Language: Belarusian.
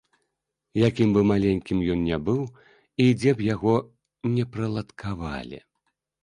Якім бы маленькім ён не быў і дзе б яго не прыладкавалі.